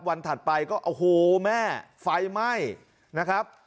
ถัดไปก็โอ้โหแม่ไฟไหม้นะครับ